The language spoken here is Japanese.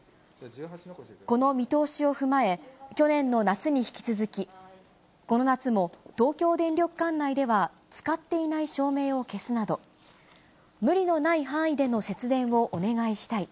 この見通しを踏まえ、去年の夏に引き続き、この夏も東京電力管内では、つかっていない照明を消すなど、無理のない範囲での節電をお願いしたい。